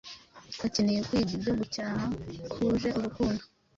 bakeneye kwiga ibyo gucyaha kuje urukundo,